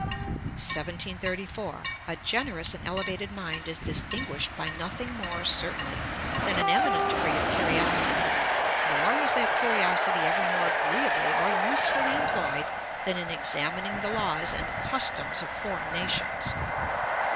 Ante, i. 73. 1734. 'A generous and elevated mind is distinguished by nothing more certainly than an eminent degree of curiosity, nor is that curiosity ever more agreeably or usefully employed than in examining the laws and customs of foreign nations.'